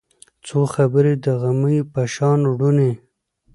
څو خبرې د غمیو په شان روڼې